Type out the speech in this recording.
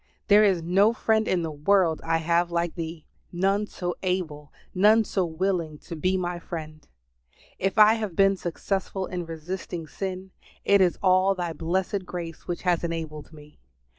There is no friend in the world I have like Thee; none so able, none so willing to be my friend. If I have been successful in resisting sin, it is all Thy blessed grace which has enabled me.